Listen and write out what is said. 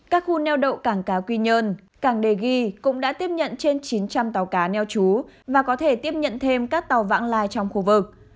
các khu neo đậu cảng cá quy nhơn cảng đề ghi cũng đã tiếp nhận trên chín trăm linh tàu cá neo chú và có thể tiếp nhận thêm các tàu vãng lai trong khu vực